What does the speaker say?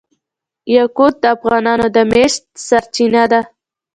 یاقوت د افغانانو د معیشت سرچینه ده.